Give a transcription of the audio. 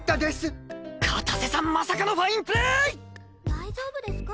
大丈夫ですか？